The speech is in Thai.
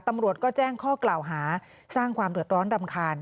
ตำรวจก็แจ้งข้อกล่าวหาสร้างความเดือดร้อนรำคาญ